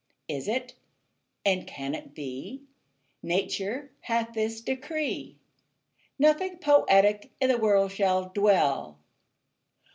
Is it, and can it be, Nature hath this decree, Nothing poetic in the world shall dwell?